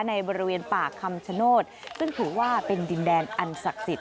ในบริเวณป่าคำชโนธซึ่งถือว่าเป็นดินแดนอันศักดิ์สิทธิ